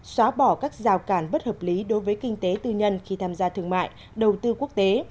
xóa bỏ các rào cản bất hợp lý đối với kinh tế tư nhân khi tham gia thương mại đầu tư quốc tế